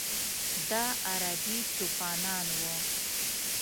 د ه عربي چوپانان و.